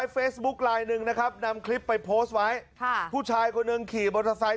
อีกทายอยากดามคือแหลกพับ